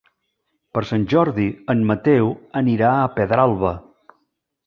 Per Sant Jordi en Mateu anirà a Pedralba.